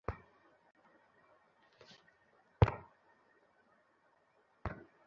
সে ঐক্যে বিশ্বাস করত না।